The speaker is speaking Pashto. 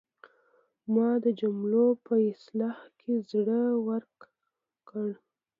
ما د جملو په اصلاح کې زړه ورک کړ.